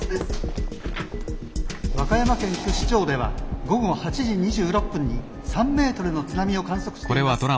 「和歌山県串町では午後８時２６分に３ｍの津波を観測しています。